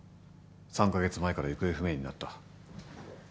３カ月前から行方不明になった。